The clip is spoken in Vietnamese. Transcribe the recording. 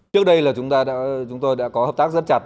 trước đây là chúng tôi đã có hợp tác rất chặt